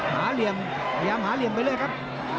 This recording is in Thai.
เหลี่ยมพยายามหาเหลี่ยมไปเลยครับ